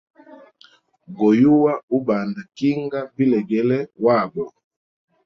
Goyuwa ubanda kinga bilegele wabo.